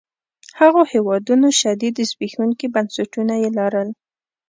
هغو هېوادونو شدید زبېښونکي بنسټونه يې لرل.